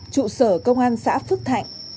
trụ sở công an xã phước thạnh